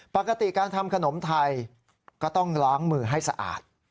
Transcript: ปกติการทำขนมไทยก็ต้องล้างมือให้สะอาด